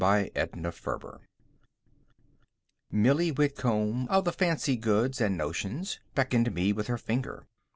X THE HOMELY HEROINE Millie Whitcomb, of the fancy goods and notions, beckoned me with her finger.